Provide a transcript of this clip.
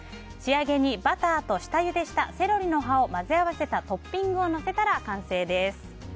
仕上げにバターと下ゆでしたセロリの葉を混ぜ合わせたトッピングをのせたら完成です。